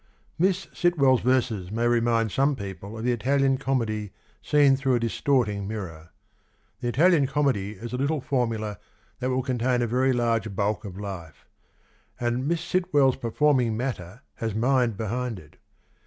" Miss Sitwell's verses may remind some people of the Italian Comedy seen through a distorting mirror. ... The Itahan Comedy is a little formula that will contain a very large bulk of life, and ... Miss Sitwell's performing matter has mind behind it.